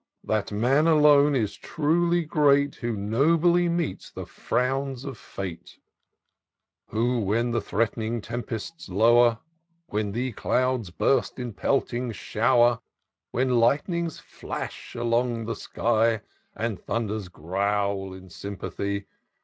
That man, alone, is truly great. Who nobly meets the frowns of Fate ; Who, when the threat'ning tempests lower, When the clouds burst in pelting shower. When lightnings flash along the sky, And thunders growl in sympathy.